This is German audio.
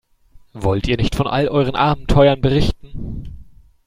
Wollt ihr nicht von all euren Abenteuern berichten?